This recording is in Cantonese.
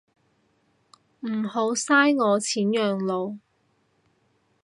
唔好嘥我錢養老